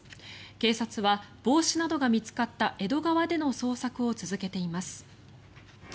警察は帽子などが見つかった江戸川での捜索を続けています。